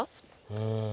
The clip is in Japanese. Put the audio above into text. うん。